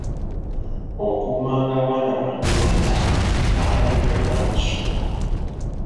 Okuumanga abaana bange bonna, abajjwa n'abazzukulu